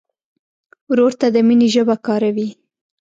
ورور ته د مینې ژبه کاروې.